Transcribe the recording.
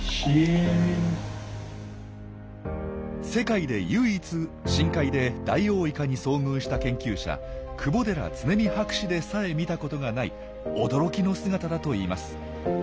世界で唯一深海でダイオウイカに遭遇した研究者窪寺恒己博士でさえ見たことがない驚きの姿だといいます。